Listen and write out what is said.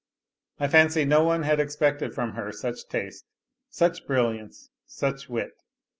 I fancy no one had expected from her such taste, such brilliance, such wit.